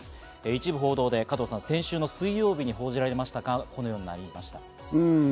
一部報道で加藤さん、先週の水曜日に報じられましたが、このようになりました。